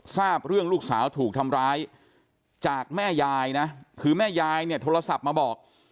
ทราบเรื่องลูกสาวถูกทำร้ายจากแม่ยายนะคือแม่ยายเนี่ยโทรศัพท์มาบอก